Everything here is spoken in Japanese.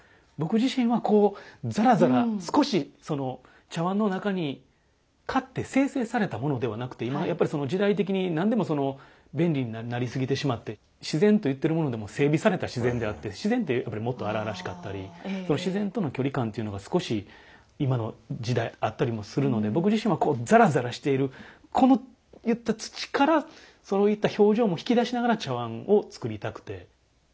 僕自身はこうザラザラ少し茶碗の中に買って精製されたものではなくてやっぱり時代的に何でも便利になりすぎてしまって自然と言ってるものでも整備された自然であって自然ってもっと荒々しかったり自然との距離感っていうのが少し今の時代あったりもするので僕自身はザラザラしているこういった土からそういった表情も引き出しながら茶碗を作りたくて。